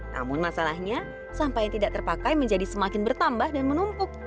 namun masalahnya sampah yang tidak terpakai menjadi semakin bertambah dan menumpuk